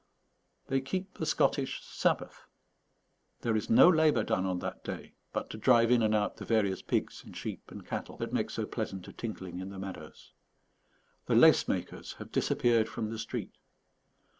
They keep the Scottish Sabbath. There is no labour done on that day but to drive in and out the various pigs and sheep and cattle that make so pleasant a tinkling in the meadows. The lace makers have disappeared from the street.